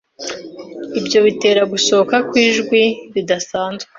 Ibyo bitera gusohoka kw’ijwi ridasanzwe